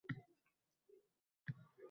Bu shunchaki anglashilmovchilik